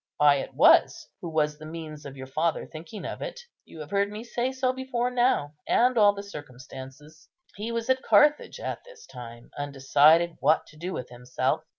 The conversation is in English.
I it was who was the means of your father thinking of it. You have heard me say so before now, and all the circumstances. "He was at Carthage at this time, undecided what to do with himself.